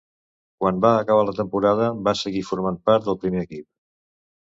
Quan va acabar la temporada, va seguir formant part del primer equip.